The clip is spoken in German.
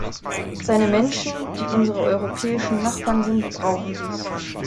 Seine Menschen, die unsere europäischen Nachbarn sind, brauchen dies.